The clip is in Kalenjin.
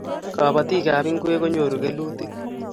kapatikap ngwek konyoru kelutik